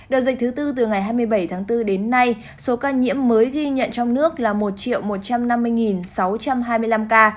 đợt dịch thứ tư từ ngày hai mươi bảy tháng bốn đến nay số ca nhiễm mới ghi nhận trong nước là một một trăm năm mươi sáu trăm hai mươi năm ca